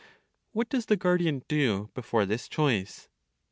What does the guardian do before this choice?